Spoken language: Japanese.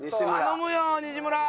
頼むよ西村！